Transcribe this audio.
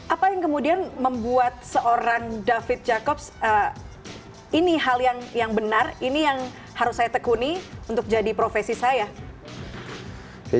apa yang kemudian membuat seorang david jacobs ini hal yang benar ini yang harus saya tekuni untuk jadi profesi saya